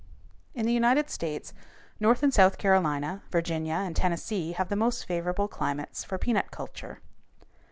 In the United States, North and South Carolina, Virginia, and Tennessee have the most favorable climates for peanut culture.